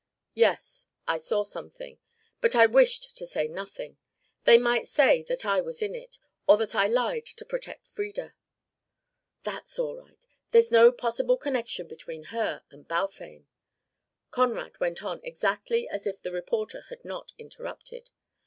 "Yes, I saw something. But I wished to say nothing. They might say that I was in it, or that I lied to protect Frieda " "That's all right. There was no possible connection between her and Balfame " Conrad went on exactly as if the reporter had not interrupted.